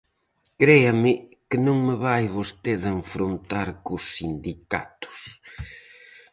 Créame que non me vai vostede enfrontar cos sindicatos.